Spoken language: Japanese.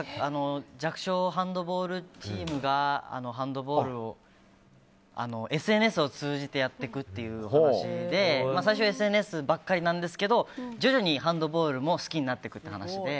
弱小ハンドボールチームがハンドボールをＳＮＳを通じてやっていくという話しで最初はＳＮＳばっかりなんですけど徐々にハンドボールも好きになっていくという話で。